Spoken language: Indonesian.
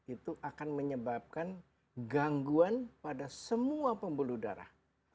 itu akan menyebabkan gangguan pada semua pembuluh darah